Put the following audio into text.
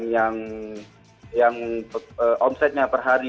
yang omsetnya per hari